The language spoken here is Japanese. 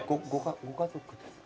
ご家族ですか？